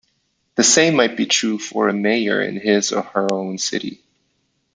The same might be true for a mayor in his or her own city.